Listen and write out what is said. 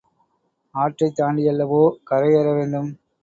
ஆற்றைத் தாண்டியல்லவோ கரை ஏறவேண்டும்?